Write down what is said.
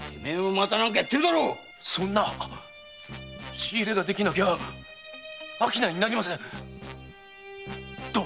仕入れができなきゃ商いになりません。